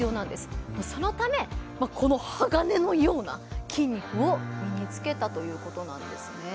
そのため、この鋼のような筋肉を身につけたということなんですね。